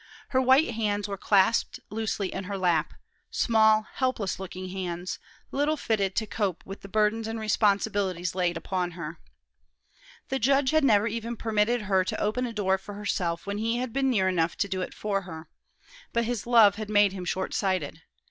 Her white hands were clasped loosely in her lap; small, helpless looking hands, little fitted to cope with the burdens and responsibilities laid upon her. The judge had never even permitted her to open a door for herself when he had been near enough to do it for her. But his love had made him short sighted.